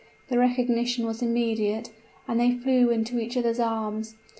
The recognition was immediate, and they flew into each other's arms.